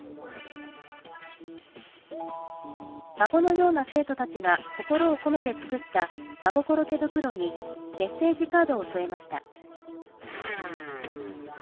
孫のような生徒たちが心を込めて作った、孫心手袋に、メッセージカードを添えました。